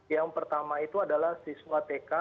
yang pertama itu adalah siswa tk